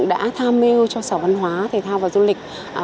đã tham mêu cho xã văn hóa thể thao và du lịch